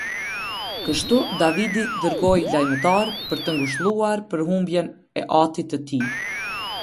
Kështu Davidi dërgoi lajmëtarë për ta ngushëlluar për humbjen e atit të tij.